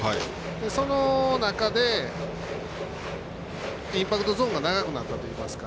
その中で、インパクトゾーンが長くなったといいますか。